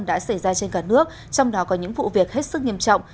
đã xảy ra trên cả nước trong đó có những vụ việc hết sức nghiêm trọng